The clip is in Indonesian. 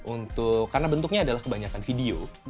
untuk karena bentuknya adalah kebanyakan video